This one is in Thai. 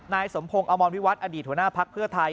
นายสมพงศ์อมรวิวัตรอดีตหัวหน้าภักดิ์เพื่อไทย